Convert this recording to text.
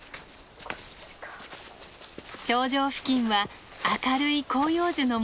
頂上付近は明るい広葉樹の森。